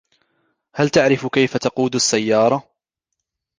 هل تعرف كيف تقود سيارة ؟